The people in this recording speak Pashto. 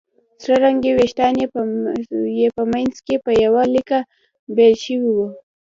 سره رنګي وېښتان یې په منځ کې په يوه ليکه بېل شوي وو